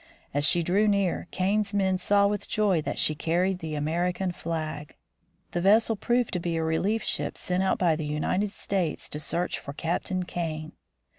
As she drew near Kane's men saw with joy that she carried the American flag. The vessel proved to be a relief ship sent out by the United States to search for Captain Kane.